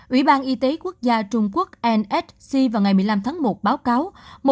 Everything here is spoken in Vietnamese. ủy ban y tế quốc gia trung quốc nsc vào ngày một mươi năm tháng một báo cáo